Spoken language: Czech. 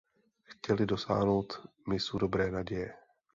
Chtěli dosáhnout mysu Dobré naděje.